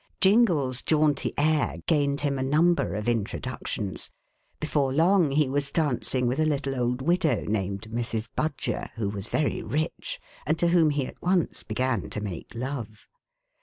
Jingle's jaunty air gained him a number of introductions. Before long he was dancing with a little old widow named Mrs. Budger, who was very rich, and to whom he at once began to make love.